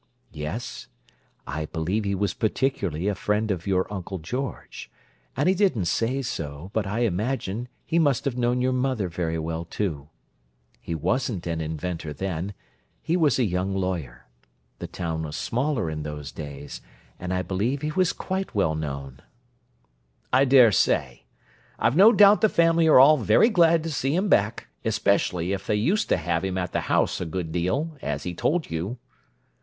"Yes. I believe he was particularly a friend of your Uncle George; and he didn't say so, but I imagine he must have known your mother very well, too. He wasn't an inventor then; he was a young lawyer. The town was smaller in those days, and I believe he was quite well known." "I dare say. I've no doubt the family are all very glad to see him back, especially if they used to have him at the house a good deal, as he told you."